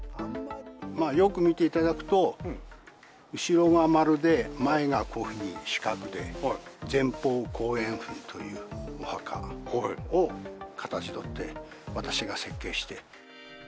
よく見ていただくと、後ろが丸で、前がこういうふうに四角で、前方後円墳というお墓を形取って、私が設計して。